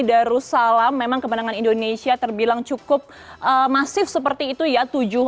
darussalam memang kemenangan indonesia terbilang cukup masif seperti itu ya